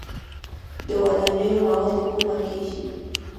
د ودانیو مواد له کومه کیږي؟